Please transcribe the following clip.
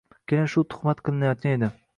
Kelin shu tuhmat qilinayotgan edi.